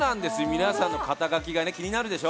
皆さんの肩書きが気になるでしょ？